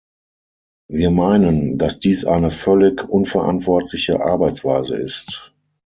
Wir meinen, dass dies eine völlig unverantwortliche Arbeitsweise ist.